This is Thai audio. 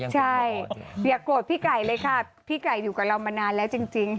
ใช่อย่าโกรธพี่ไก่เลยค่ะพี่ไก่อยู่กับเรามานานแล้วจริง